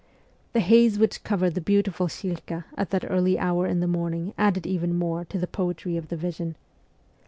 The haze which covered the beautiful Shilka at that early hour in the morning added even more to the poetry of the vision.